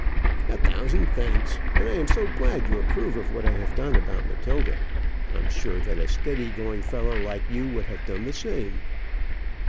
"A thousand thanks! And I am so glad you approve of what I have done about Matilda. I'm sure that a steady going fellow like you would have done the same."